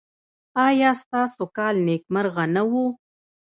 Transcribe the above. ایا ستاسو کال نیکمرغه نه و؟